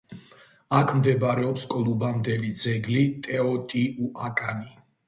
აქ მდებარეობს კოლუმბამდელი ძეგლი ტეოტიუაკანი.